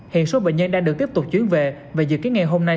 hiện số bệnh nhân đang được tiếp tục chuyến về và dự kiến ngày hôm nay